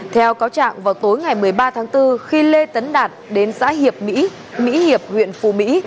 tối ngày một mươi ba tháng bốn khi lê tấn đạt đến xã hiệp mỹ mỹ hiệp huyện phu mỹ